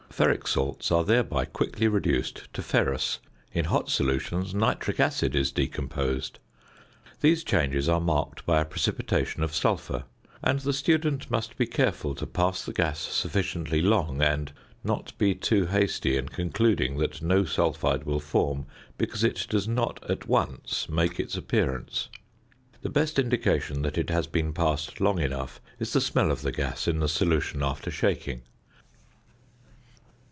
Ferric salts are thereby quickly reduced to ferrous; in hot solutions nitric acid is decomposed. These changes are marked by a precipitation of sulphur, and the student must be careful to pass the gas sufficiently long, and not be too hasty in concluding that no sulphide will form because it does not at once make its appearance. The best indication that it has been passed long enough is the smell of the gas in the solution after shaking.